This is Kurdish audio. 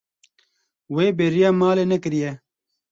Wê bêriya malê nekiriye.